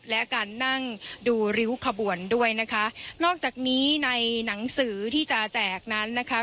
และการนั่งดูริ้วขบวนด้วยนะคะนอกจากนี้ในหนังสือที่จะแจกนั้นนะคะ